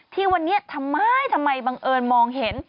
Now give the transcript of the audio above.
ที่วันนี้ทำไมทำไมบังเอิญมองเห็น